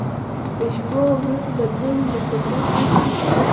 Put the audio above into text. د شپو او ورځو بدلون د قدرت نښه ده.